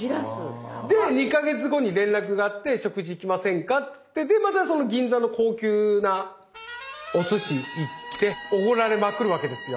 で２か月後に連絡があって「食事行きませんか」っつってでまたその銀座の高級なおすし行っておごられまくるわけですよ。